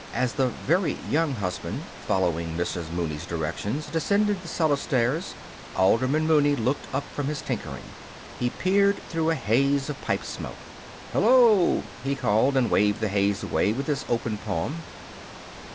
As the Very Young Husband, following Mrs. Mooney's directions, descended the cellar stairs, Alderman Mooney looked up from his tinkering. He peered through a haze of pipe smoke. "Hello!" he called, and waved the haze away with his open palm.